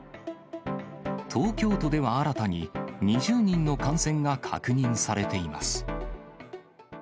東京都では新たに２０人の感染が確認されています。